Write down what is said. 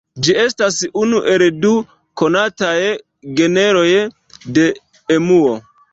Ĝi estas unu el du konataj genroj de emuo.